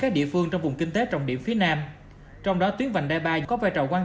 các địa phương trong vùng kinh tế trọng điểm phía nam trong đó tuyến vành đai ba có vai trò quan